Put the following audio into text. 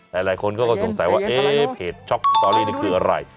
หลายคนก็สงสัยว่าเอ๊ะเพจช็อกสตอรี่นี่คืออะไร